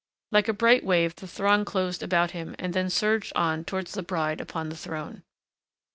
Like a bright wave the throng closed about him and then surged on towards the bride upon the throne.